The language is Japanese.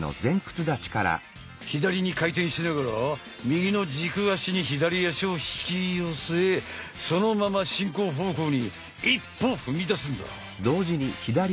左に回転しながら右の軸足に左足を引き寄せそのまま進行方向に一歩踏み出すんだ。